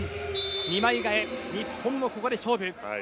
２枚替え、日本もここで勝負。